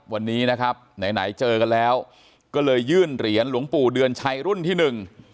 วันนี้นะครับไหนไหนเจอกันแล้วก็เลยยื่นเหรียญหลวงปู่เดือนชัยรุ่นที่หนึ่ง